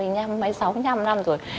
hai mươi năm hai mươi sáu hai mươi năm năm rồi